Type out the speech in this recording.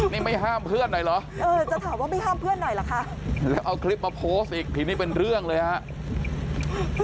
นี่ไม่ห้ามเพื่อนไหนหรอและเอาคลิปมาโพสต์อีกพี่นี่เป็นเรื่องเลยฮะ